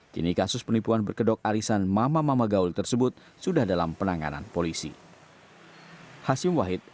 kini kasus penipuan berkedok arisan mama mama gaul tersebut sudah dalam penanganan polisi